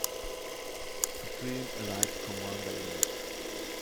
Supreme Allied Commander Europe.